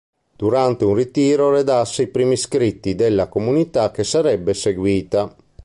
Durante un ritiro redasse i primi scritti della comunità che sarebbe seguita.